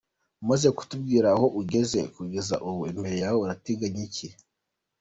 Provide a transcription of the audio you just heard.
com: Umaze kutubwira aho ugeze kugeza ubu, imbere yawe urateganya iki?.